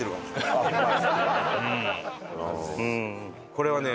これはね